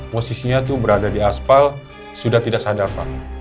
posisinya itu berada di aspal sudah tidak sadar pak